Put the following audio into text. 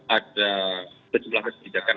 ada sejumlah kebijakan